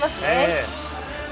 ええ。